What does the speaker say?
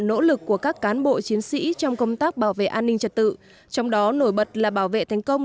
nỗ lực của các cán bộ chiến sĩ trong công tác bảo vệ an ninh trật tự trong đó nổi bật là bảo vệ thành công